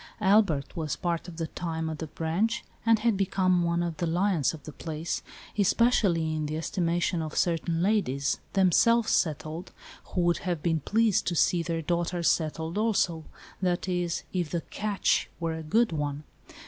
Albert was, part of the time, at the Branch, and had become one of the lions of the place, especially in the estimation of certain ladies, themselves settled, who would have been pleased to see their daughters settled also — that is, if the " catch " were a good one.